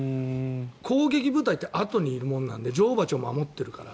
攻撃部隊ってあとにいるものなので女王蜂を守っているから。